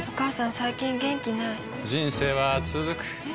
最近元気ない人生はつづくえ？